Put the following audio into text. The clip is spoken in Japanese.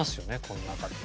この中で。